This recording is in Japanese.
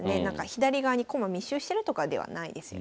左側に駒密集してるとかではないですよね。